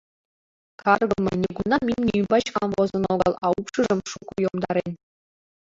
Каргыме, нигунам имне ӱмбач камвозын огыл, а упшыжым шуко йомдарен.